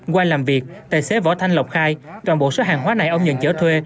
qua làm việc tài xế võ thanh lộc khai toàn bộ số hàng hóa này ông nhận chở thuê